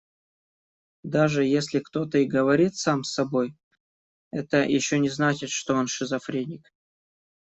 Даже если кто-то и говорит сам с собой, это ещё не значит, что он шизофреник.